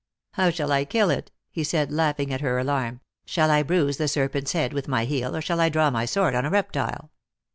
" How shall I kill it," he said, laughing at her alarm. " Shall I bruise the serpent s head with my heel, or shall I draw my sword on a reptile